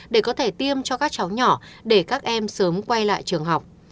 để có thể tiêm cho các cháu nhỏ để các em sớm quay lại trường học